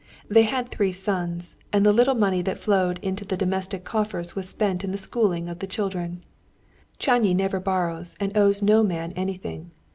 They had three sons, and the little money that flowed into the domestic coffers was spent in the schooling of the children. Csányi never borrows, and owes no man anything.